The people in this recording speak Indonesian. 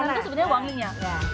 lebih ke sebenarnya wanginya